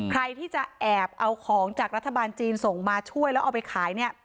ใครที่จะแอบเอาของจากรัฐบาลจีนส่งมาช่วยแล้วเอาไปขายเนี่ย